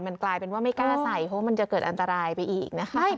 มันกลายเป็นว่าไม่กล้าใส่เพราะว่ามันจะเกิดอันตรายไปอีกนะคะ